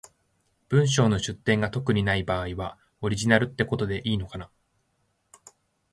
文章の出典が特にない場合は、オリジナルってことでいいのかな？